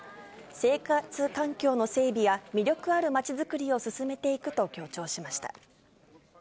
生活環境の整備や、魅力ある町づくりを進めていくと強調しました。